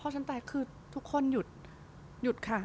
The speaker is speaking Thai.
พ่อฉันตายคือทุกคนหยุดค่ะ